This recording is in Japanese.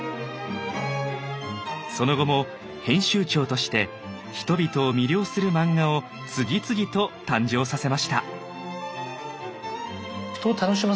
その後も編集長として人々を魅了する漫画を次々と誕生させました。